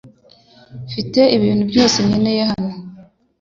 Mfite ibintu byose nkeneye hano